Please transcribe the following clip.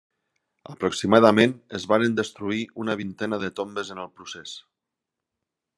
Aproximadament es varen destruir una vintena de tombes en el procés.